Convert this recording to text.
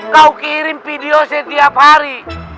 kau kirim video saya tiap hari